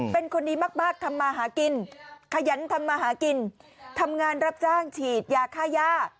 เป็นคนดีมากทำมาหากินขยันทำมาหากินทำงานรับจ้างฉีดยาค่าย่า